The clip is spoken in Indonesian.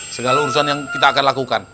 segala urusan yang kita akan lakukan